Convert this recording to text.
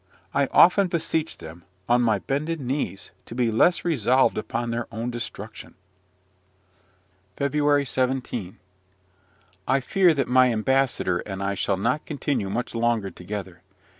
I could often beseech them, on my bended knees, to be less resolved upon their own destruction. FEBRUARY 17. I fear that my ambassador and I shall not continue much longer together.